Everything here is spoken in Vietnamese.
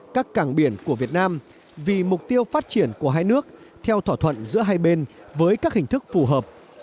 các cảng biển của việt nam vì mục tiêu phát triển của hai nước theo thỏa thuận giữa hai bên với các hình thức phù hợp